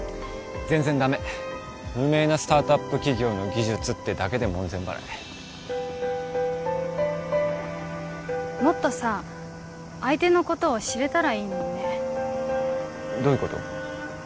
全然ダメ無名なスタートアップ企業の技術ってだけで門前払いもっとさ相手のことを知れたらいいのにねどういうこと？